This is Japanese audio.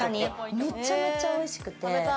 めちゃめちゃ美味しくて。